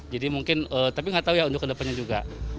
jadi mungkin tapi nggak tahu ya untuk kedepannya juga